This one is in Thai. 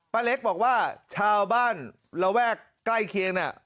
เล็กบอกว่าชาวบ้านระแวกใกล้เคียงน่ะ